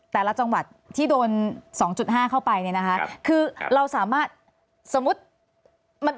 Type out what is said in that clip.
แต่ละจังหวัดที่โดน๒๕เข้าไปเนี่ยนะคะคือเราสามารถสมมุติ